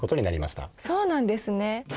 そうなんですね！